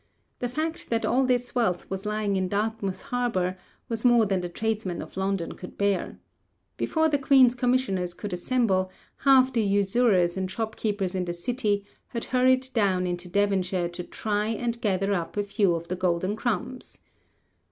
The fact that all this wealth was lying in Dartmouth harbour was more than the tradesmen of London could bear. Before the Queen's commissioners could assemble, half the usurers and shopkeepers in the City had hurried down into Devonshire to try and gather up a few of the golden crumbs.